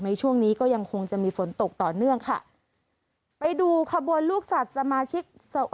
ในช่วงนี้ก็ยังคงจะมีฝนตกต่อเนื่องค่ะไปดูขบวนลูกสัตว์สมาชิก